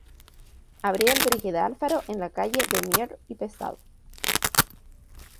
Abrió el Brígida Alfaro en la calle de Mier y Pesado.